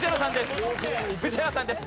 宇治原さんです。